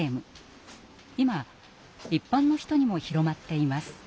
今一般の人にも広まっています。